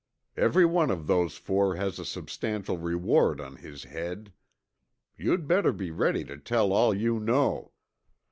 Every one of those four has a substantial reward on his head. You'd better be ready to tell all you know.